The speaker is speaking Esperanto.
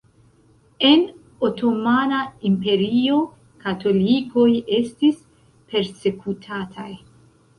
En Otomana Imperio katolikoj estis persekutataj.